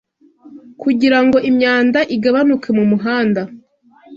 kugirango imyanda igabanuke mumuhanda